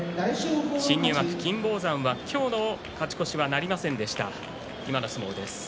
新入幕金峰山は今日の勝ち越しはなりませんでした。